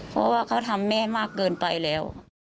เพราะว่าเขาทำแม่มากเกินไปแล้ว